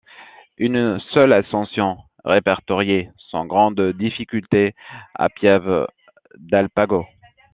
Une seule ascension répertoriée, sans grande difficulté, à Pieve d’Alpago.